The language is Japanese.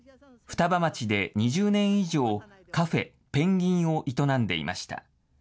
双葉町で２０年以上、カフェペンギンを営んでいました。